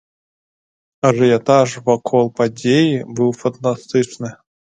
Ажыятаж вакол падзеі быў фантастычны.